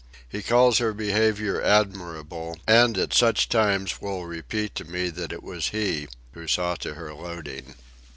He calls her behaviour admirable, and at such times will repeat to me that it was he who saw to her loading.